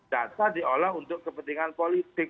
data diolah untuk kepentingan politik